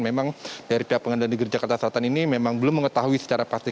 memang dari pihak pengadilan negeri jakarta selatan ini memang belum mengetahui secara pasti